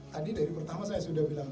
tadi dari pertama saya sudah bilang